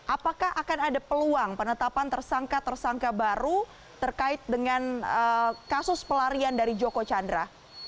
apakah akan ada peluang penetapan tersangka tersangka baru terkait dengan kasus pelarian dari joko chandra